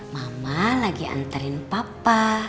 mama lagi anterin papa